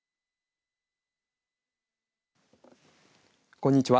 こんにちは。